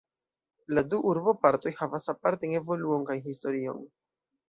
La du urbopartoj havas apartajn evoluon kaj historion.